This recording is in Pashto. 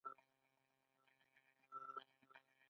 د شکر د زیاتیدو لپاره د ممپلی پوستکی وکاروئ